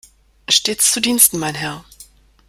Stets zu Diensten, mein Herr!